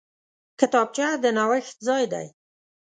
کتابچه د نوښت ځای دی